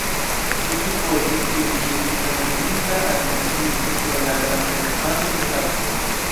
Li supozis, ke li estis alveninta al kontinento pro la granda kvanto de akvo.